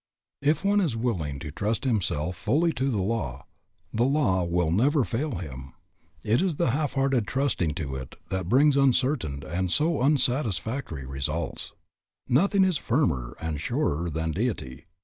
If one is willing to trust himself fully to the Law, the Law will never fail him. It is the half hearted trusting to it that brings uncertain, and so, unsatisfactory results. Nothing is firmer and surer than Deity.